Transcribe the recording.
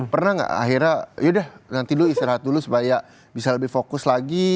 pernah nggak akhirnya yaudah nanti dulu istirahat dulu supaya bisa lebih fokus lagi